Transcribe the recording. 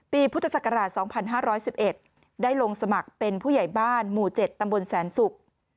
พุทธศักราช๒๕๑๑ได้ลงสมัครเป็นผู้ใหญ่บ้านหมู่๗ตำบลแสนศุกร์